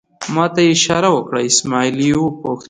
ما ته یې اشاره وکړه، اسمعیل یې وپوښتل.